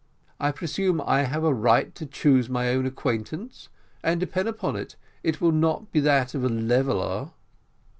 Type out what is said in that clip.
I presume I have a right to choose my own acquaintance, and, depend upon it, it will not be that of a leveller."